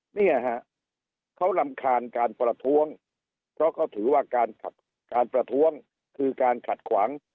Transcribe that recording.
เนี่ยฮะเขารำคาญการประท้วงเพราะเขาถือว่าการประท้วงคือการขัดขวาง